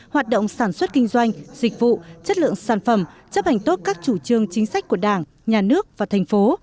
hoạt động sản xuất kinh doanh dịch vụ chất lượng sản phẩm chấp hành tốt các chủ trương chính sách của đảng nhà nước và thành phố